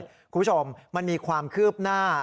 คุณผู้ชมมันมีความคืบหน้า